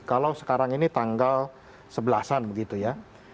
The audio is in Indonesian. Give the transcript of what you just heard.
kalau sekarang ini tanggal sebelas an begitu ya